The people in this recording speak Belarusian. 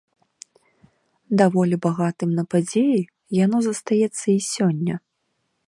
Даволі багатым на падзеі яно застаецца і сёння.